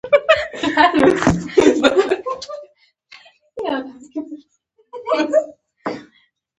خو چي ته نه يي ډيره سخته ده